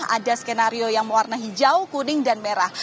ada skenario yang warna hijau kuning dan merah